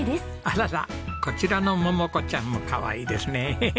あららこちらの桃子ちゃんもかわいいですね！